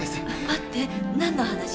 待って何の話？